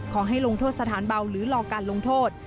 ลงโทษสถานเบาหรือรอการลงโทษ